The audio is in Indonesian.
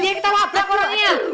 biar kita lapar kalau enggak